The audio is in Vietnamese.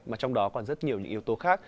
mà trong đó còn rất nhiều những yếu tố khác